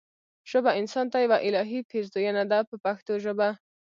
ژبه انسان ته یوه الهي پیرزوینه ده په پښتو ژبه.